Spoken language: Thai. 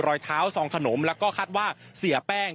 สีหน้าสองขนมและก็คาดว่าเสียแป้ง